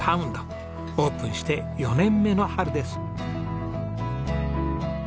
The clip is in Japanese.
オープンして４年目の春です。